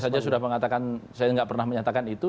saya saja sudah mengatakan saya nggak pernah menyatakan itu